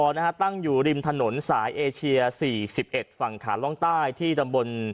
นะฮะตั้งอยู่ริมถนนสายเอเชีย๔๑ฝั่งขาล่องใต้ที่ตำบล